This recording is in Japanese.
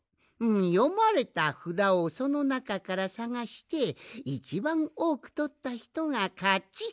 よまれたふだをそのなかからさがしていちばんおおくとったひとがかちというあそびなんじゃ。